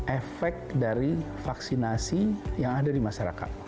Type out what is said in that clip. efek dari vaksinasi yang ada di masyarakat